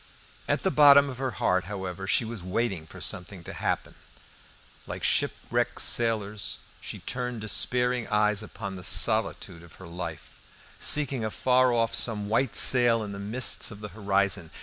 At the bottom of her heart, however, she was waiting for something to happen. Like shipwrecked sailors, she turned despairing eyes upon the solitude of her life, seeking afar off some white sail in the mists of the horizon.